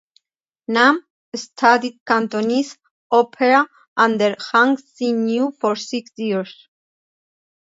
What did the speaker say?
Nam studied Cantonese opera under Hung Sin Nui for six years.